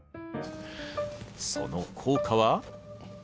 その効果は？